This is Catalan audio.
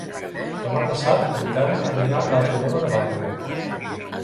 Demà passat en Telm anirà a Vallfogona de Balaguer.